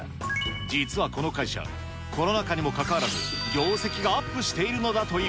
実はこの会社、コロナ禍にもかかわらず、業績がアップしているのだという。